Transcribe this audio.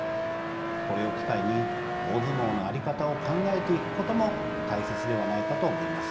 これを機会に大相撲の在り方を考えていくことも大切ではないかと思います。